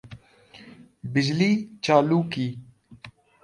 بجلی چالو کی